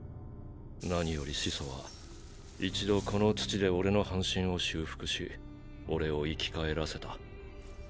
何より始祖は一度この土で俺の半身を修復し俺を生き返らせた。